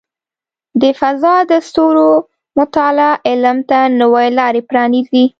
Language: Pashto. د فضاء د ستورو مطالعه علم ته نوې لارې پرانیزي.